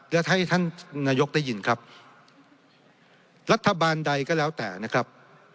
และให้ท่านนายกได้ยินครับรัฐบาลใดก็แล้วแต่นะครับ